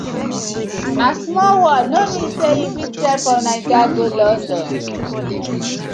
Na small world no mean say you fit trek from Naija go London: